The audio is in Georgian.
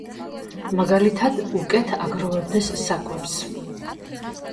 მაგალითად, უკეთ აგროვებდეს საკვებს.